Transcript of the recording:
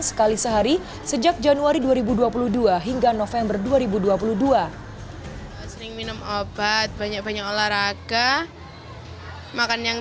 sekali sehari sejak januari dua ribu dua puluh dua hingga november dua ribu dua puluh dua sering minum obat banyak banyak olahraga makan yang